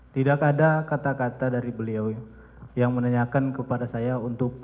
tidak ada kata kata dari beliau yang menanyakan kepada saya untuk